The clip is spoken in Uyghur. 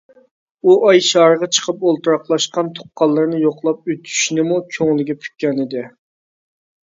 ئۇ ئاي شارىغا چىقىپ ئولتۇراقلاشقان تۇغقانلىرىنى يوقلاپ ئۆتۈشنىمۇ كۆڭلىگە پۈككەنىدى.